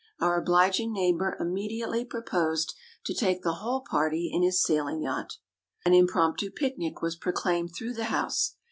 Our obliging neighbor immediately proposed to take the whole party in his sailing yacht. An impromptu picnic was proclaimed through the house.